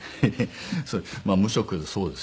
無職そうですね。